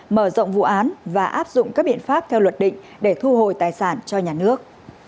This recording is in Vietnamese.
mở rộng vụ án và áp dụng các biện pháp theo luật định để thu hồi tài sản cho nhà nước